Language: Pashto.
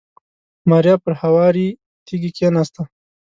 ماريا پر هوارې تيږې کېناسته.